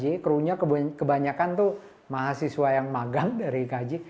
maksudnya kebanyakan tuh mahasiswa yang magang dari kj